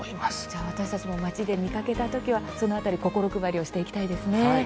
じゃあ、私たちも町で見かけたときは、その辺り心配りをしていきたいですね。